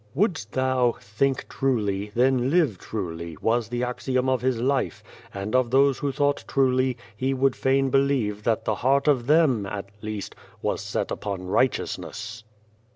"Would'st thou 'think truly,' then 'live truly,' was the axiom of his life, and of those who thought truly, he would fain believe that the heart of them, at least, was set upon righteousness."